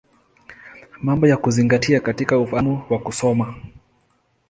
Mambo ya Kuzingatia katika Ufahamu wa Kusoma.